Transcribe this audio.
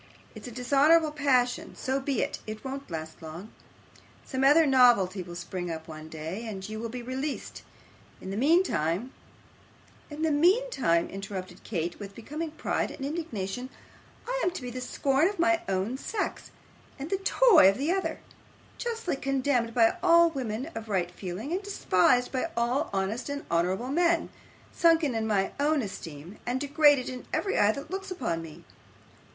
It's a dishonourable passion. So be it; it won't last long. Some other novelty will spring up one day, and you will be released. In the mean time ' 'In the mean time,' interrupted Kate, with becoming pride and indignation, 'I am to be the scorn of my own sex, and the toy of the other; justly condemned by all women of right feeling, and despised by all honest and honourable men; sunken in my own esteem, and degraded in every eye that looks upon me.